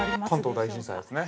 ◆関東大震災ですね。